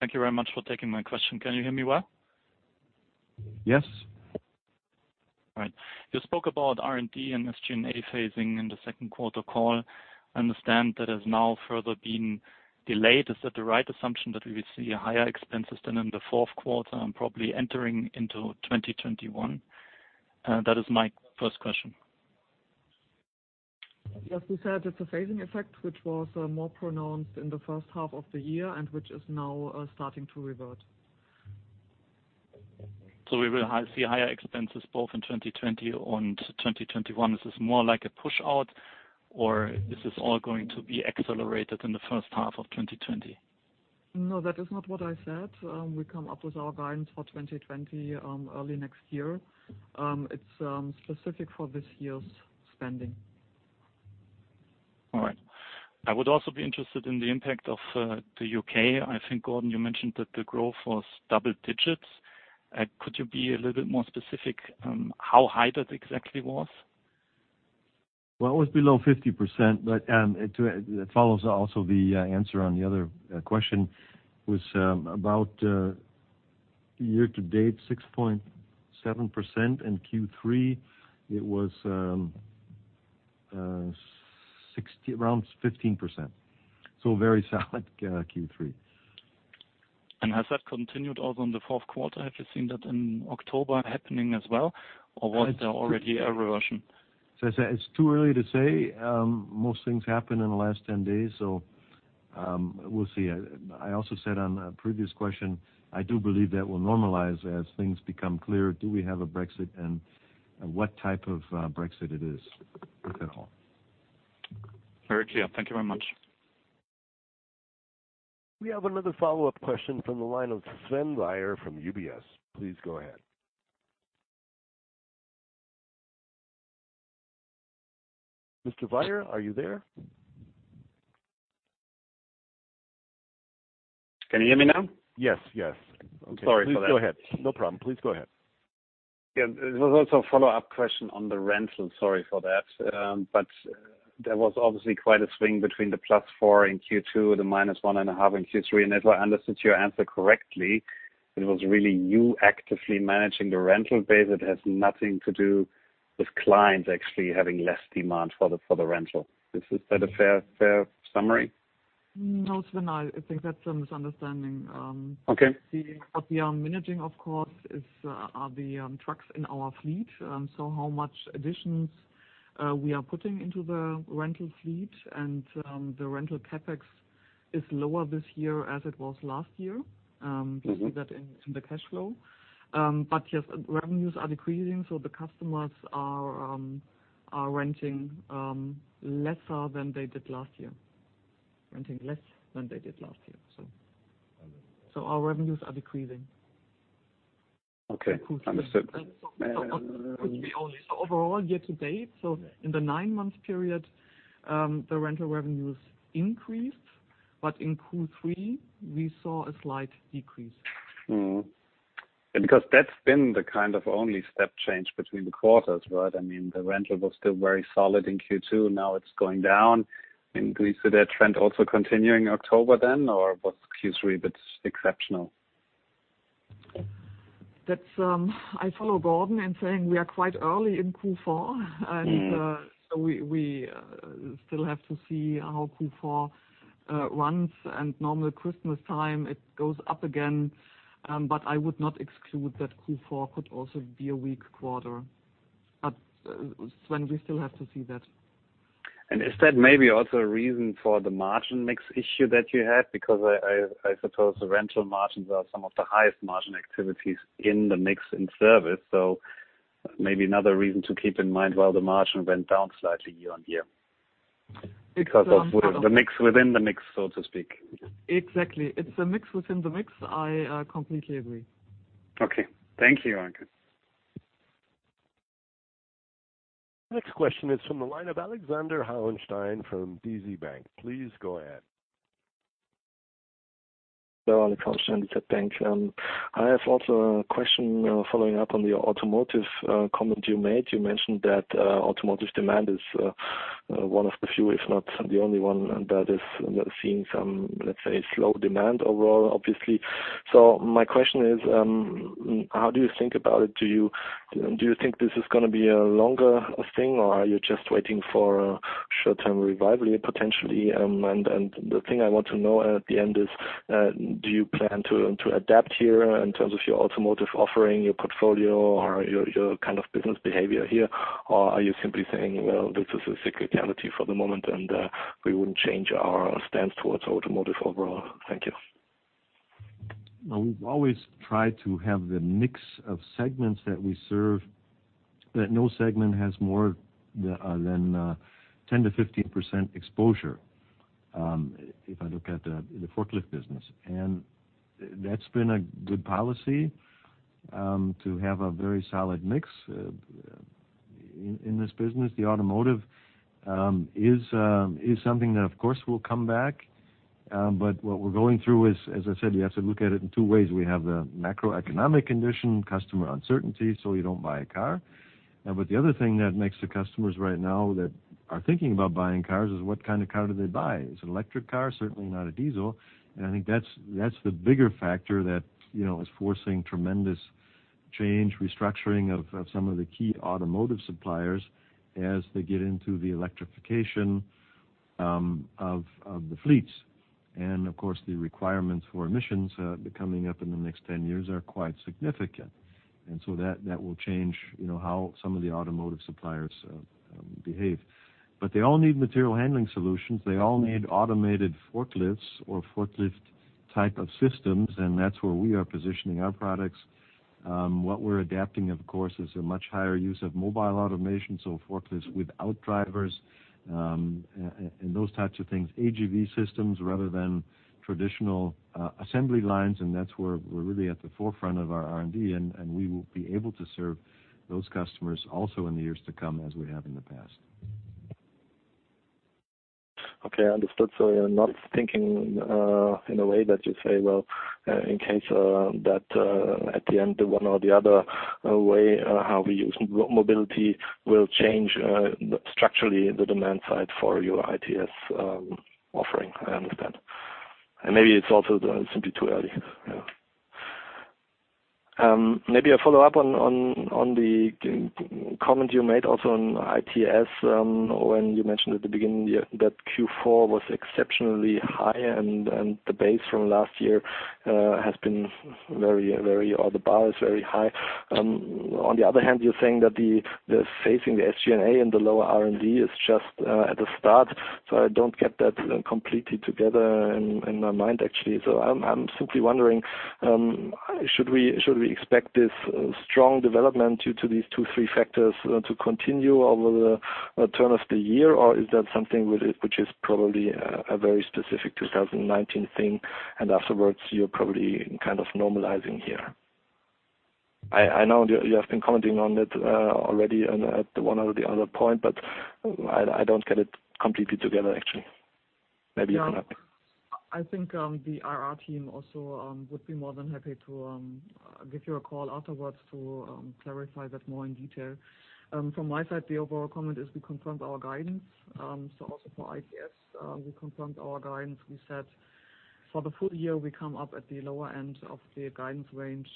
Thank you very much for taking my question. Can you hear me well? Yes. All right. You spoke about R&D and SG&A phasing in the second quarter call. I understand that has now further been delayed. Is that the right assumption that we will see higher expenses than in the fourth quarter and probably entering into 2021? That is my first question. Yes. We said it's a phasing effect, which was more pronounced in the first half of the year and which is now starting to revert. Will we see higher expenses both in 2020 and 2021? Is this more like a push-out, or is this all going to be accelerated in the first half of 2020? No, that is not what I said. We come up with our guidance for 2020 early next year. It's specific for this year's spending. All right. I would also be interested in the impact of the U.K. I think, Gordon, you mentioned that the growth was double digits. Could you be a little bit more specific how high that exactly was? It was below 50%, but it follows also the answer on the other question. It was about year to date, 6.7%, and Q3, it was around 15%. Very solid Q3. Has that continued also in the fourth quarter? Have you seen that in October happening as well, or was there already a reversion? It's too early to say. Most things happen in the last 10 days, so we'll see. I also said on a previous question, I do believe that will normalize as things become clear. Do we have a Brexit and what type of Brexit it is, if at all? Very clear. Thank you very much. We have another follow-up question from the line of Sven Weir from UBS. Please go ahead. Mr. Weir, are you there? Can you hear me now? Yes. Yes. Sorry for that. Please go ahead. No problem. Please go ahead. Yeah. There was also a follow-up question on the rental. Sorry for that. There was obviously quite a swing between the +4% in Q2, the -1.5% in Q3. If I understood your answer correctly, it was really you actively managing the rental base. It has nothing to do with clients actually having less demand for the rental. Is that a fair summary? No, Sven, I think that's a misunderstanding. What we are managing, of course, are the trucks in our fleet. So how much additions we are putting into the rental fleet. And the rental CapEx is lower this year as it was last year. You see that in the cash flow. Yes, revenues are decreasing, so the customers are renting lesser than they did last year, renting less than they did last year. So our revenues are decreasing. Okay. Understood. Overall, year to date, so in the nine-month period, the rental revenues increased, but in Q3, we saw a slight decrease. Because that's been the kind of only step change between the quarters, right? I mean, the rental was still very solid in Q2. Now it's going down. Do you see that trend also continuing in October then, or was Q3 a bit exceptional? I follow Gordon in saying we are quite early in Q4. We still have to see how Q4 runs. Normal Christmas time, it goes up again. I would not exclude that Q4 could also be a weak quarter. Sven, we still have to see that. Is that maybe also a reason for the margin mix issue that you had? Because I suppose the rental margins are some of the highest margin activities in the mix in service. Maybe another reason to keep in mind while the margin went down slightly year on year. Because of the mix within the mix, so to speak. Exactly. It's a mix within the mix. I completely agree. Okay. Thank you, Anke. Next question is from the line of Alexander Hollenstein from DZ Bank. Please go ahead. Hello, Alexander Scheben. I have also a question following up on the automotive comment you made. You mentioned that automotive demand is one of the few, if not the only one that is seeing some, let's say, slow demand overall, obviously. My question is, how do you think about it? Do you think this is going to be a longer thing, or are you just waiting for a short-term revival here, potentially? The thing I want to know at the end is, do you plan to adapt here in terms of your automotive offering, your portfolio, or your kind of business behavior here? Or are you simply saying, "Well, this is a sick reality for the moment, and we wouldn't change our stance towards automotive overall"? Thank you. We always try to have the mix of segments that we serve, but no segment has more than 10-15% exposure if I look at the forklift business. That's been a good policy to have a very solid mix in this business. The automotive is something that, of course, will come back. What we're going through is, as I said, you have to look at it in two ways. We have the macroeconomic condition, customer uncertainty, so you don't buy a car. The other thing that makes the customers right now that are thinking about buying cars is, what kind of car do they buy? Is it an electric car? Certainly not a diesel. I think that's the bigger factor that is forcing tremendous change, restructuring of some of the key automotive suppliers as they get into the electrification of the fleets. Of course, the requirements for emissions coming up in the next 10 years are quite significant. That will change how some of the automotive suppliers behave. They all need material handling solutions. They all need automated forklifts or forklift type of systems, and that's where we are positioning our products. What we're adapting, of course, is a much higher use of mobile automation, so forklifts without drivers and those types of things, AGV systems rather than traditional assembly lines. That's where we're really at the forefront of our R&D, and we will be able to serve those customers also in the years to come as we have in the past. Okay. I understood. You are not thinking in a way that you say, "Well, in case that at the end, one or the other way how we use mobility will change structurally the demand side for your ITS offering." I understand. Maybe it is also simply too early. Maybe a follow-up on the comment you made also on ITS when you mentioned at the beginning that Q4 was exceptionally high, and the base from last year has been very, very or the bar is very high. On the other hand, you are saying that the phasing of SG&A and the lower R&D is just at the start. I do not get that completely together in my mind, actually. I'm simply wondering, should we expect this strong development due to these two, three factors to continue over the turn of the year, or is that something which is probably a very specific 2019 thing, and afterwards, you're probably kind of normalizing here? I know you have been commenting on it already at one or the other point, but I don't get it completely together, actually. Maybe you can help me. I think the RR team also would be more than happy to give you a call afterwards to clarify that more in detail. From my side, the overall comment is we confirmed our guidance. So also for ITS, we confirmed our guidance. We said for the full year, we come up at the lower end of the guidance range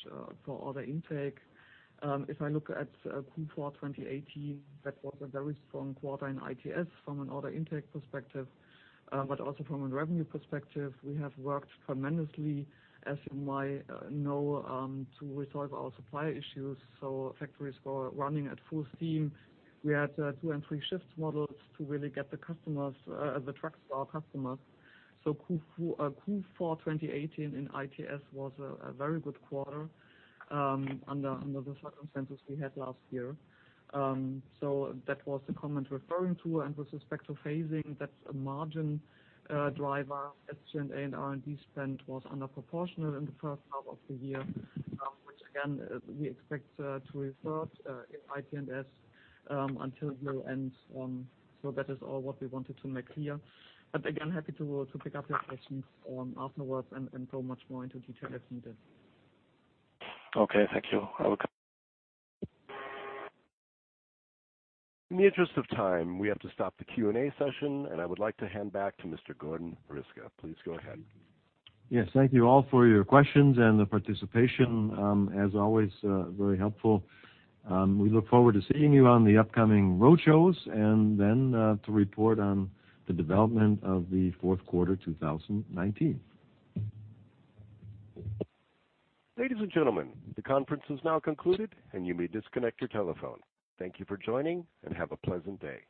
for order intake. If I look at Q4 2018, that was a very strong quarter in ITS from an order intake perspective, but also from a revenue perspective. We have worked tremendously, as you might know, to resolve our supplier issues. So factories were running at full steam. We had two and three shifts models to really get the trucks to our customers. Q4 2018 in ITS was a very good quarter under the circumstances we had last year. That was the comment referring to. With respect to phasing, that's a margin driver. SG&A and R&D spend was underproportional in the first half of the year, which, again, we expect to revert in IT&S until year end. That is all what we wanted to make clear. Again, happy to pick up your questions afterwards and go much more into detail if needed. Okay. Thank you. In the interest of time, we have to stop the Q&A session, and I would like to hand back to Mr. Gordon Riske. Please go ahead. Yes. Thank you all for your questions and the participation. As always, very helpful. We look forward to seeing you on the upcoming roadshows and then to report on the development of the fourth quarter 2019. Ladies and gentlemen, the conference has now concluded, and you may disconnect your telephone. Thank you for joining, and have a pleasant day. Goodbye.